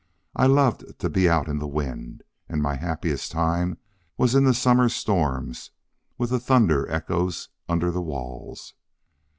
I loved to be out in the wind. And my happiest time was in the summer storms with the thunder echoes under the walls.